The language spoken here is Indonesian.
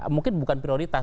mungkin bukan prioritas